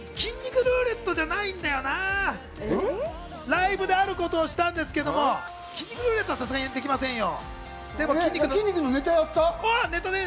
ライブであることをしたんですけれども、筋肉ルーレットはさすがにできませんよ。